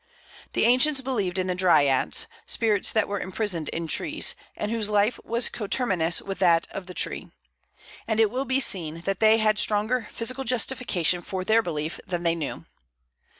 The ancients believed in the Dryads, spirits that were imprisoned in trees, and whose life was coterminous with that of the tree; and it will be seen that they had stronger physical justification for their belief than they knew.